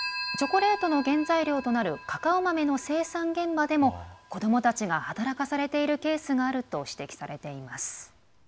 チョコレートの原材料となるカカオ豆の生産現場でも子どもたちが働かされているケースがあると指摘されています。